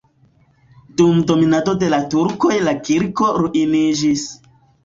Dum dominado de la turkoj la kirko ruiniĝis.